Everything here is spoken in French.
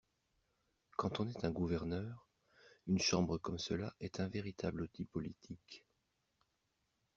Quand on est un gouverneur, une chambre comme cela est un véritable outil politique.